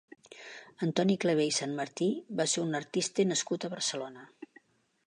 Antoni Clavé i Sanmartí va ser un artista nascut a Barcelona.